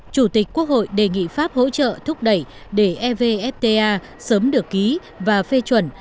chủ tịch quốc hội đề nghị pháp hỗ trợ thúc đẩy để evfta sớm được ký và phê chuẩn